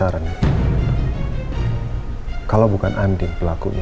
kalau bukan andi yang dilakukan itu kalau bukan andi yang dilakukan itu